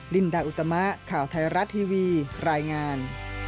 ลินดาอุตมะข่าวไทยรัฐทีวีรายงาน